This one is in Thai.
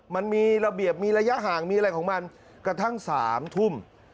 มันมีระเบียบมีระยะห่างมีอะไรของมันกระทั่ง๓ทุ่ม